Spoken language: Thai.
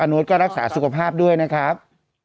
โน๊ตก็รักษาสุขภาพด้วยนะครับ